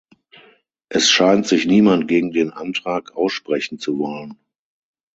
Es scheint sich niemand gegen den Antrag aussprechen zu wollen.